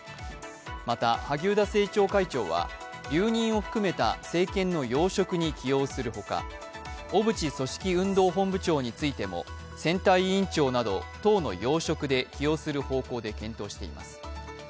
また萩生田政調会長は留任を含めた政権の要職に起用するほか小渕組織運動本部長についても選対委員長など党の要職で起用する方向で検討しています。